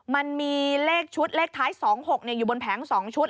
มันมีเลขชุดเลขท้าย๒๖อยู่บนแผง๒ชุด